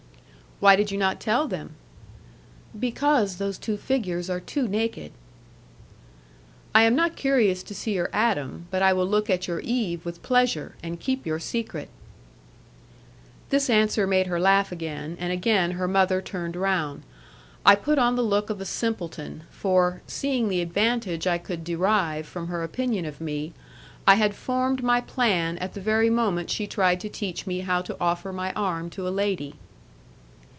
"Why did you not tell them?" "Because those two figures are too naked." "I am not curious to see your Adam, but I will look at your Eve with pleasure, and keep your secret." This answer made her laugh again, and again her mother turned round. I put on the look of a simpleton, for, seeing the advantage I could derive from her opinion of me, I had formed my plan at the very moment she tried to teach me how to offer my arm to a lady.